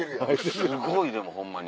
すごいでもホンマに。